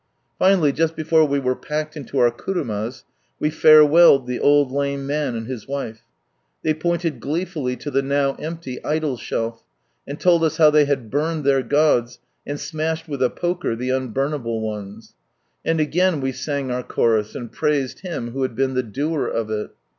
Finally, just before we were packed into our kurumas we farewelled the old lame man and his wife. They pointed gleefully to the now empty idol shelf, and told us how they had burned their gods, and smashed with a poker the unburnablc ones ; and again we sang our chorus, and praised Him who had been the Doer of it.